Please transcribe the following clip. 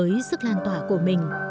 với sức lan tỏa của mình